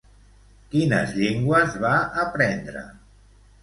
Quines llengües va aprendre?